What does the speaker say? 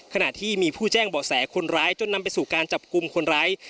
ขณะที่มีผู้แจ้งเบาะแสคนร้ายจนนำไปสู่การจับกลุ่มคนร้าย